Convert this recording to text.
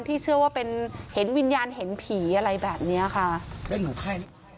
ที่เชื่อว่าเป็นเห็นวิญญาณเห็นผีอะไรแบบนี้ค่ะ